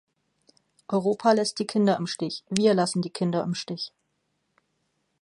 Europa lässt die Kinder im Stich, wir lassen die Kinder im Stich.